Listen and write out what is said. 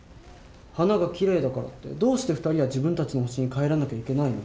花がキレイだからってどうして２人は自分たちの星に帰らなきゃいけないの？